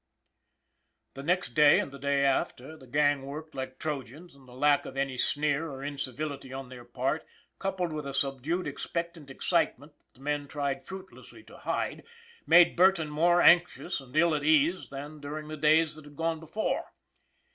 The next day and the day after, the gang worked like Trojans, and the lack of any sneer or incivility on their part, coupled with a subdued, expectant ex citement that the men tried fruitlessly to hide, made Burton more anxious and ill at ease than during the days that had gone before.